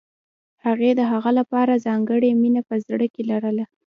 هغې د هغه لپاره ځانګړې مینه په زړه کې لرله